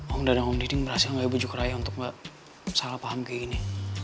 om dadang om diding berhasil ngejuka ray untuk gak salah paham kayak gini